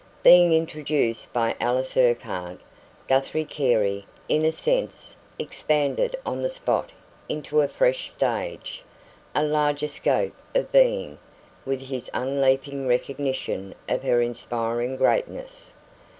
Being introduced by Alice Urquhart, Guthrie Carey, in a sense, expanded on the spot into a fresh stage, a larger scope of being, with his unleaping recognition of her inspiring greatness.